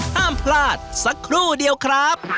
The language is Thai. ห้ามพลาดสักครู่เดียวครับ